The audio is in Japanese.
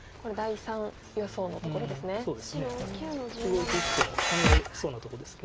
動いていく手も考えそうなとこですけど。